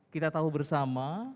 kita tahu bersama